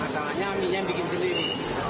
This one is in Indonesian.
masalahnya mie nya bikin sendiri